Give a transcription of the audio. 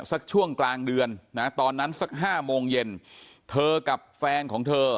สักช่วงกลางเดือนนะตอนนั้นสักห้าโมงเย็นเธอกับแฟนของเธอ